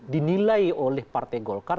dinilai oleh partai golkar